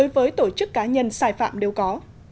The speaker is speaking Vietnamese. với tổ chức cá nhân sai phạm đều có